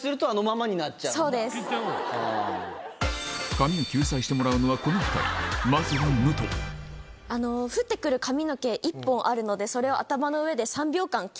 髪を救済してもらうのはこの２人まずは武藤降ってくる髪の毛１本あるのでそれを頭の上で３秒間キープ。